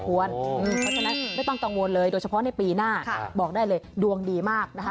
เพราะฉะนั้นไม่ต้องกังวลเลยโดยเฉพาะในปีหน้าบอกได้เลยดวงดีมากนะคะ